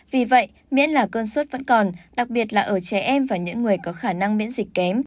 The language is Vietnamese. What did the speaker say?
vì vậy miễn là cơn sốt vẫn còn đặc biệt là ở trẻ em và những người có khả năng miễn dịch kém